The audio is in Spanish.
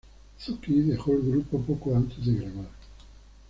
Zucchi dejó el grupo poco antes de grabar.